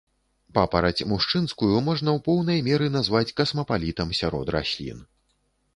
Папараць мужчынскую можна ў поўнай меры назваць касмапалітам сярод раслін.